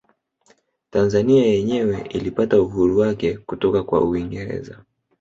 Tanzania yenyewe ilipata uhuru wake kutoka kwa Uingereza